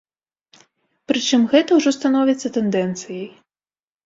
Прычым гэта ўжо становіцца тэндэнцыяй.